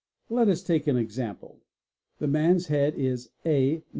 ) Let us take an example. The man's head is a mms.